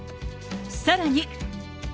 さらに。